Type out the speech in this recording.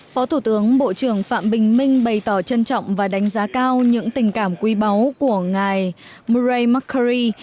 phó thủ tướng bộ trưởng phạm bình minh bày tỏ trân trọng và đánh giá cao những tình cảm quý báu của ngài muray machari